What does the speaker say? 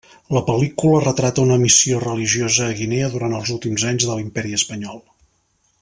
La pel·lícula retrata una missió religiosa a Guinea durant els últims anys de l'Imperi espanyol.